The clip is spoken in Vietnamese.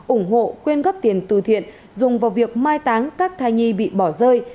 ủng hộ quyên góp tiền từ thiện dùng vào việc mai táng các thai nhi bị bỏ rơi